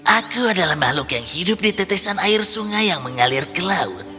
aku adalah makhluk yang hidup di tetesan air sungai yang mengalir ke laut